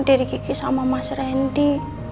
diri kiki sama mas randy